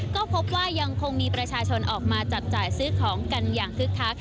ก็พบว่ายังคงมีประชาชนออกมาจับจ่ายซื้อของกันอย่างคึกคัก